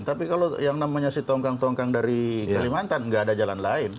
tapi kalau yang namanya si tongkang tongkang dari kalimantan nggak ada jalan lain